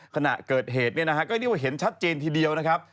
ขณะเกิดเหตุเนี่ยนะฮะก็เรียกว่าเห็นชัดเจนทีเดียวนะครับ